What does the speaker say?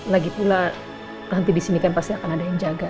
lagi pula nanti di sini kan pasti akan ada yang jaga